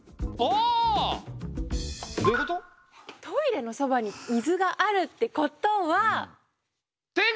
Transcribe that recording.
トイレのそばに水があるってことは？